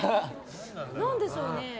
何ででしょうね。